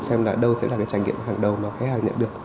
xem là đâu sẽ là cái trải nghiệm hàng đầu mà khách hàng nhận được